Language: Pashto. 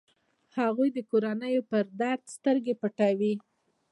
هغوی د کورنيو پر درد سترګې پټولې.